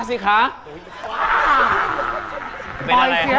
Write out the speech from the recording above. ปล่อยเสียงออกมาครับอย่าเต้นเสียงครับ